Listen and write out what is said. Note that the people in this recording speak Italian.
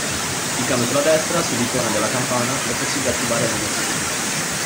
Cliccando sulla destra, sull’icona della campana, è possibile attivare le notifiche push